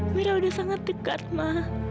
mira sudah sangat dekat ma